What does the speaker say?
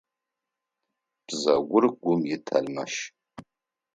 Бзэгур гум итэлмащ.